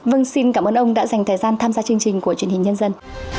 vâng xin cảm ơn ông đã dành thời gian tham gia chương trình của truyền hình nhân dân